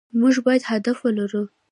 مونږ بايد هدف ولرو